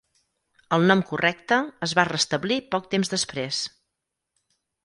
El nom correcte es va restablir poc temps després.